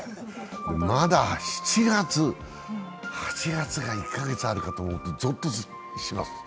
まだ７月８月が１か月あるかと思うとぞっとします。